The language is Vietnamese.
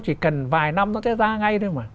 chỉ cần vài năm nó sẽ ra ngay thôi mà